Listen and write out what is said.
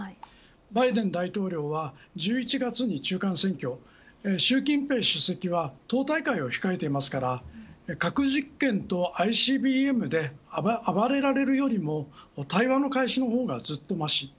バイデン大統領は１１月に中間選挙習近平主席は党大会を控えていますから核実験とＩＣＢＭで暴れられるよりも対話の開始の方がずっとまし